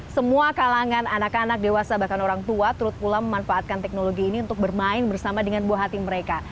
semua kalangan anak anak dewasa bahkan orang tua turut pula memanfaatkan teknologi ini untuk bermain bersama dengan buah hati mereka